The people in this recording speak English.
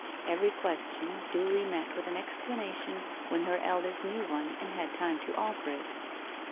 Every question duly met with an explanation when her elders knew one and had time to offer it.